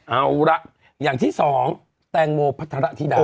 เอาละอย่างที่สองแตงโมพัทรธิดา